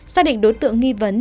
xác định đối tượng nghi vấn